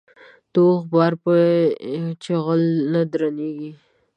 د اوښ بار په چيغل نه درنېږي.